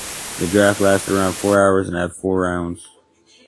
The draft lasted around four hours and had four rounds.